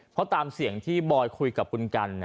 เพราะตามเสียงที่บอยคุยกับคุณกัน